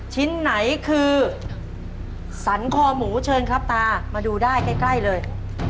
ชิ้นไหนคือสรรคอหมูเชิญครับตามาดูได้ใกล้เลย